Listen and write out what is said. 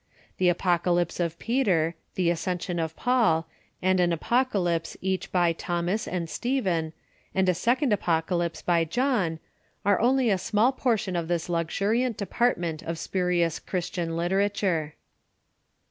The Apocalypse of Peter, the Ascension of Paul, and an Apoca lypse, each, by Thomas and Stephen, and a second Apocalypse by John, are only a small portion of this luxuriant department of spurious Christian literature.